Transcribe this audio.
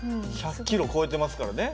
１００キロ超えてますからね。